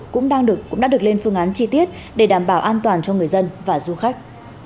cũng đã được lên phương án chi tiết để đảm bảo an toàn cho người dân và du khách